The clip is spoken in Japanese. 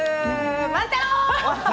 万太郎！